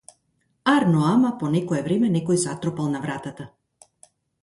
Арно ама по некое време некој затропал на вратата.